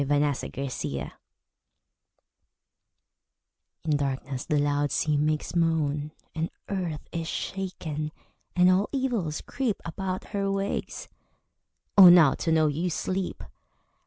The Charm In darkness the loud sea makes moan; And earth is shaken, and all evils creep About her ways. Oh, now to know you sleep!